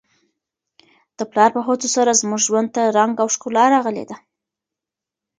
د پلار په هڅو سره زموږ ژوند ته رنګ او ښکلا راغلې ده.